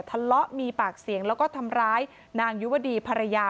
ทะเลาะมีปากเสียงแล้วก็ทำร้ายนางยุวดีภรรยา